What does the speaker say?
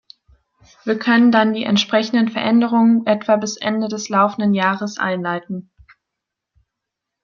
Wir können dann die entsprechenden Veränderungen etwa bis Ende des laufenden Jahres einleiten.